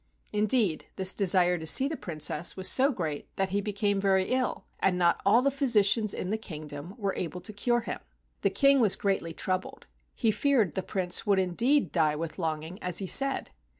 Indeed, this desire to see the Princess was so 44 AN EAST INDIAN STORY great that he became very Ul, and not all the physicians in the kingdom were able to cure him. The King was greatly troubled ; he feared the Prince would indeed die with longing as he said.